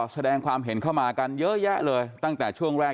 แสดงความเห็นเข้ามากันเยอะแยะเลยตั้งแต่ช่วงแรก